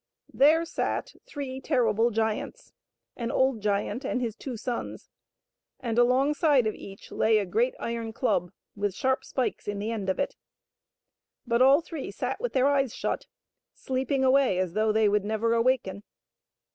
There sat three terrible giants, an old giant and his two sons, and alongside of each lay a great iron club with sharp spikes in the end of it. But all three sat with their eyes shut, sleeping away as though they would never awaken.